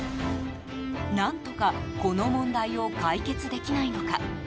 何とかこの問題を解決できないのか。